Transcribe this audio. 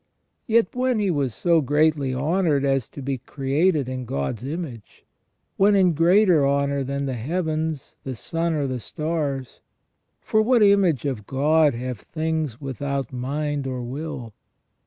Yet when he was so greatly honoured as to be created in God's image, when in greater honour than the heavens, the sun, or the stars — for what image of God have things without mind or will